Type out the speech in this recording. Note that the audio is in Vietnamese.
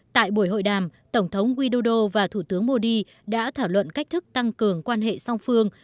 tại buổi hội đàm tổng thống widodo và thủ tướng modi đã thảo luận cách thức tăng cường quan hệ song phương